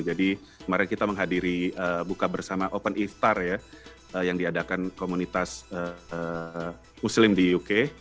jadi kemarin kita menghadiri buka bersama open iftar ya yang diadakan komunitas muslim di uk